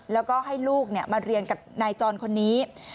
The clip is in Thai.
แล้วก็ให้ลูกมาเรียนกับนายจรคนนี้